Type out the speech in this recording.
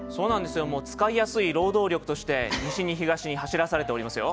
もう使いやすい労働力として西に東に走らされておりますよ。